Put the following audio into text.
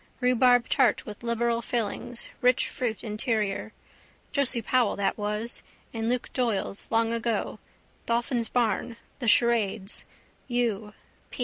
Rhubarb tart with liberal fillings, rich fruit interior. Josie Powell that was. In Luke Doyle's long ago. Dolphin's Barn, the charades. U.